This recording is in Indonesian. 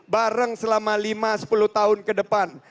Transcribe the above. bareng selama lima sepuluh tahun ke depan